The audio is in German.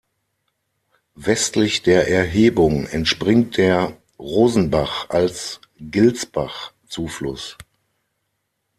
Westlich der Erhebung entspringt der "Rosenbach" als Gilsbach-Zufluss.